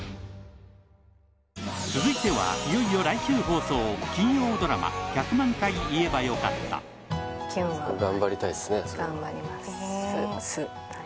続いてはいよいよ来週放送金曜ドラマ「１００万回言えばよかった」キュンは頑張ります頑張りたいですね